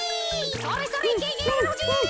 それそれいけいけやまのふじ！